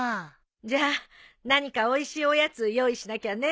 じゃあ何かおいしいおやつ用意しなきゃね。